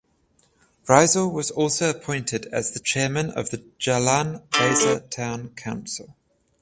Rizal was also appointed as the chairman of the Jalan Besar Town Council.